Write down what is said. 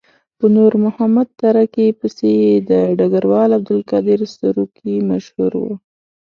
په نور محمد تره کي پسې یې د ډګروال عبدالقادر سروکي مشهور وو.